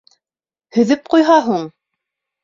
— Һөҙөп ҡуйһа һуң?